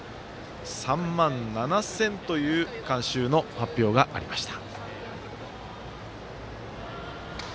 ３万７０００という観衆の発表がありました。